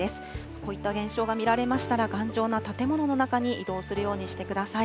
こういった現象が見られましたら、頑丈な建物の中に移動するようにしてください。